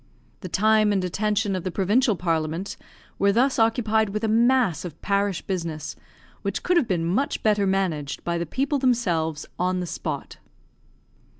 The time and attention of the provincial parliament were thus occupied with a mass of parish business, which could have been much better managed by the people themselves on the spot.